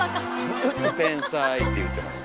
ずっと「天才」って言ってます